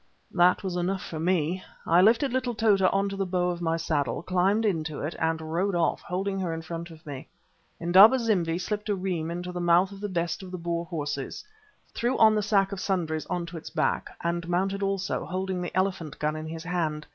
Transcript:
That was enough for me. I lifted little Tota on to the bow of my saddle, climbed into it, and rode off, holding her in front of me. Indaba zimbi slipped a reim into the mouth of the best of the Boer horses, threw the sack of sundries on to its back and mounted also, holding the elephant gun in his hand.